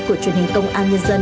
của truyền hình công an nhân dân